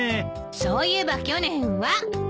そういえば去年は。